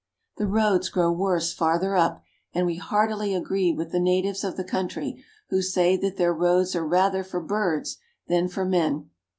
The roads grow worse farther up, and we heartily agree with the natives of the country who say that their roads are rather for birds than for men.